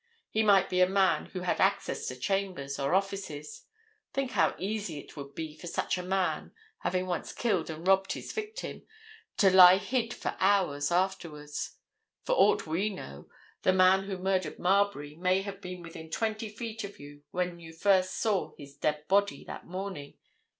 He might be a man who had access to chambers or offices—think how easy it would be for such a man, having once killed and robbed his victim, to lie hid for hours afterwards? For aught we know, the man who murdered Marbury may have been within twenty feet of you when you first saw his dead body that morning.